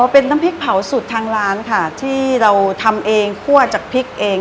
เป็นน้ำพริกเผาสูตรทางร้านค่ะที่เราทำเองคั่วจากพริกเอง